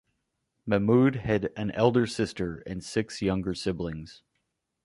Mehmood had an elder sister and six younger siblings.